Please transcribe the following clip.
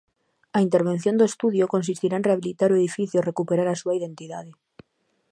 A intervención do estudio consistirá en rehabilitar o edificio e recuperar a súa identidade.